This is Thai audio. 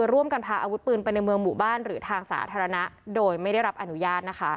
ร่วมกันพาอาวุธปืนไปในเมืองหมู่บ้านหรือทางสาธารณะโดยไม่ได้รับอนุญาต